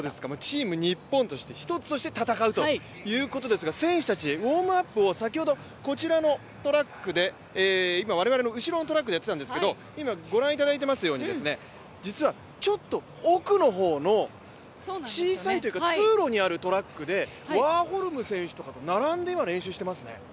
チームニッポンとして１つとして戦うということですが選手たち、ウォームアップを先ほどこちらのトラックで今、我々の後ろのトラックでやってたんですけど、実はちょっと奥の方の小さいというか、通路にあるトラックでワーホルム選手とかと今、並んで練習してますね。